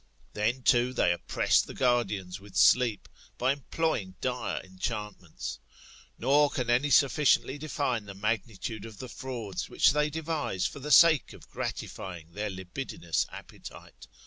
Then, too, they oppress the guardians with sleep, by employing dire enchantments. Nor can any sufficiently define the magnitude of the frauds which they devise for the sake of gratifying their libidinous appetite.